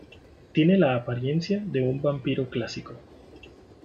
Tiene la apariencia de un vampiro clásico.